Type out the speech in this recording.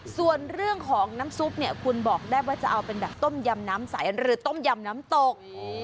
ส่วนเรื่องของน้ำซุปเนี่ยคุณบอกได้ว่าจะเอาเป็นแบบต้มยำน้ำใสหรือต้มยำน้ำตก